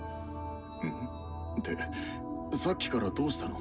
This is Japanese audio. うん？ってさっきからどうしたの？